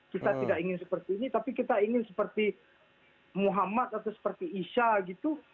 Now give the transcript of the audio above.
kita tidak ingin seperti ini tapi kita ingin seperti muhammad atau seperti isya gitu